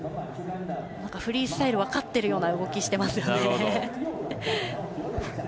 フリースタイル分かっているような動きしていますね。